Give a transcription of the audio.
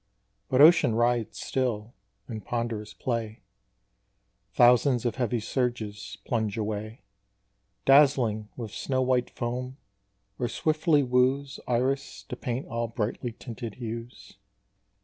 But ocean riots still; in ponderous play Thousands of heavy surges plunge away, Dazzling with snow white foam, or swiftly woos Iris to paint all brightly tinted hues.